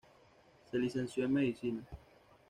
Se licenció en medicina.